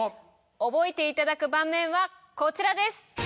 覚えていただく盤面はこちらです。